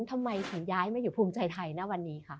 ทำไมถึงย้ายมาอยู่ภูมิใจไทยณวันนี้คะ